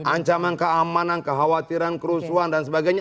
ancaman keamanan kekhawatiran kerusuhan dan sebagainya